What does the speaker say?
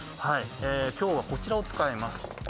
今日はこちらを使います。